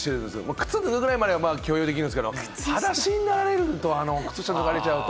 靴脱ぐぐらいまでは許容できるんですけれど、はだしになられると、靴下脱がれちゃうと。